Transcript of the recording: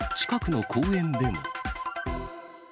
近くの公園でも。